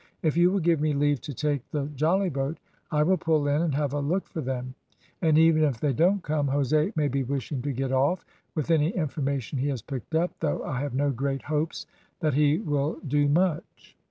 If you will give me leave to take the jollyboat, I will pull in and have a look for them; and even if they don't come, Jose may be wishing to get off, with any information he has picked up, though I have no great hopes that he will do much."